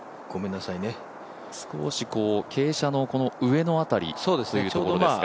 少し傾斜の上の辺りというところですか。